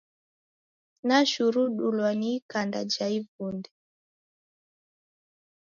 Nashurudulwa ni ikanda ja ivunde.